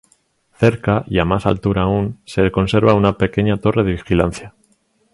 Cerca, y a más altura aún, se conserva una pequeña torre de vigilancia.